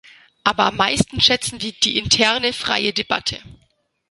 Aber am meisten schätzen wir die interne freie Debatte.